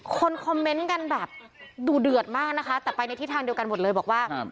คนคอมเมนต์กันแบบดูเดือดมากนะคะแต่ไปในทิศทางเดียวกันหมดเลยบอกว่า